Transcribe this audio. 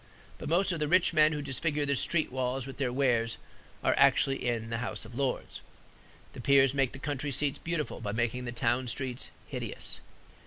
But most of the rich men who disfigure the street walls with their wares are actually in the House of Lords. The peers make the country seats beautiful by making the town streets hideous.